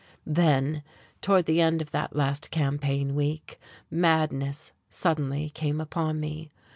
Then toward the end of that last campaign week, madness suddenly came upon me.